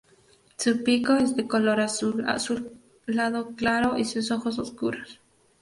Su pico es de color azul azulado claro y sus ojos oscuros.